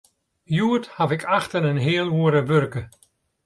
Hjoed haw ik acht en in heal oere wurke.